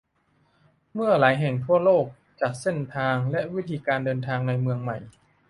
เมืองหลายแห่งทั่วโลกจัดเส้นทางและวิธีการเดินทางในเมืองใหม่